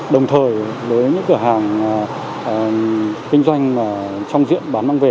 đồng thời với những cửa hàng kinh doanh mà trong diện bán mang về